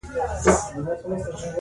مسجد د مقتدیانو په ډېرښت ښایسته کېږي.